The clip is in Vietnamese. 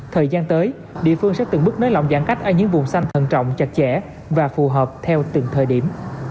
thời gian tới địa phương sẽ từng bước nới lỏng giãn cách ở những vùng xanh thân trọng chặt chẽ và phù hợp theo từng thời điểm